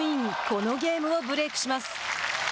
このゲームをブレークします。